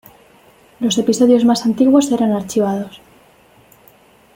Los episodios más antiguos eran archivados.